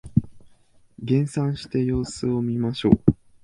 減産して様子を見ましょう